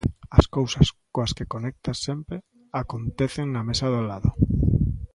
As cousas coas que conectas sempre acontecen na mesa do lado.